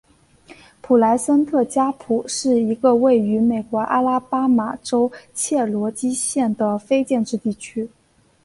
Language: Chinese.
普莱森特加普是一个位于美国阿拉巴马州切罗基县的非建制地区。